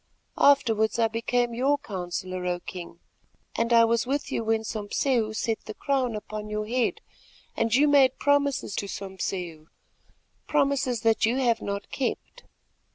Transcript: Afterwards I became your counsellor, O King, and I was with you when Sompseu set the crown upon your head and you made promises to Sompseu—promises that you have not kept.